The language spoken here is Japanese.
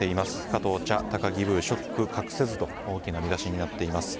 「加藤茶、高木ブーショック隠せず」と大きな見出しになっています。